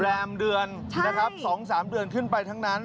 แบร์มเดือน๒๓เดือนขึ้นไปทั้งนั้น